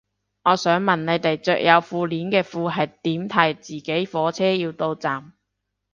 我想問你哋着有褲鏈嘅褲係點提自己火車要到站